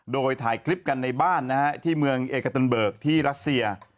โดยถ่ายคลิปกันในบ้านนะฮะที่เมืองเอกตุนเบิกที่รัสเซีย